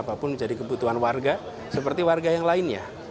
apapun menjadi kebutuhan warga seperti warga yang lainnya